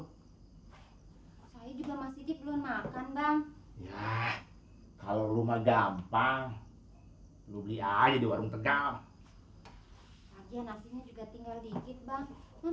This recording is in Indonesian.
hai saya juga masih belum makan bang kalau rumah gampang lu biar di warung tegak